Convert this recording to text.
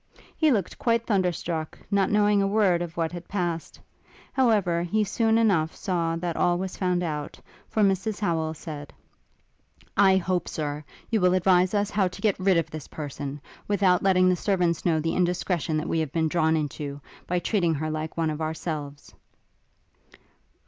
He looked quite thunderstruck, not knowing a word of what had passed. However, he soon enough saw that all was found out; for Mrs Howel said, 'I hope, Sir, you will advise us, how to get rid of this person, without letting the servants know the indiscretion we have been drawn into, by treating her like one of ourselves.'